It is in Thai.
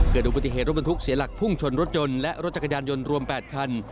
เกิดมาปฏิาโบย์เป้นทุกส์เสียหลักพุ่งชนรถยนต์และรถจักรยานยนต์รวม๘คัน